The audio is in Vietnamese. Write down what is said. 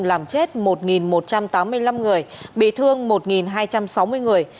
làm chết một một trăm tám mươi năm người bị thương một hai trăm sáu mươi người